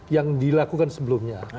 yang dilakukan sebelumnya